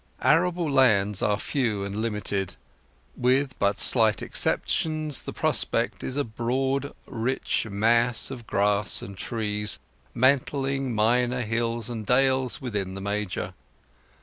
Arable lands are few and limited; with but slight exceptions the prospect is a broad rich mass of grass and trees, mantling minor hills and dales within the major.